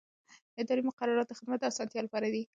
اداري مقررات د خدمت د اسانتیا لپاره دي.